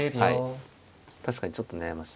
確かにちょっと悩ましいですね。